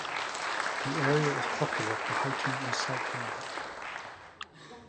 The area is popular for hiking and cycling.